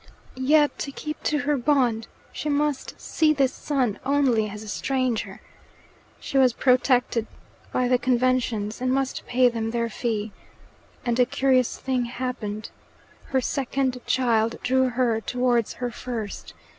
Yet, to keep to her bond, she must see this son only as a stranger. She was protected be the conventions, and must pay them their fee. And a curious thing happened. Her second child drew her towards her first.